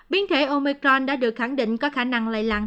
biến thể omecron đã được khẳng định có khả năng lây lan